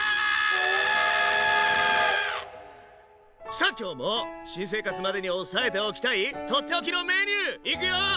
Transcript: さあ今日も新生活までに押さえておきたい取って置きのメニューいくよ！